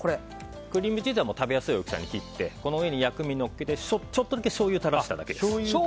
クリームチーズは食べやすい大きさに切ってこの上に薬味をのせてちょっとだけしょうゆを垂らしただけです。